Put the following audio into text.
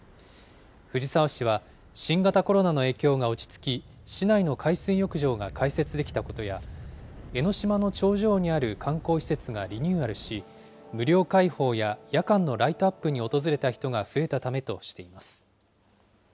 藤沢市は新型コロナの影響が落ち着き、市内の海水浴場が開設できたことや、江の島の頂上にある観光施設がリニューアルし、無料開放や夜間のライトアップに訪れた人が増えたためとしています。